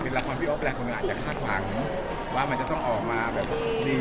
เป็นลักษณ์พี่โอ๊คแหละคุณอาจจะคาดหวังว่ามันจะต้องออกมาแบบดีอะไรอย่างเงี้ย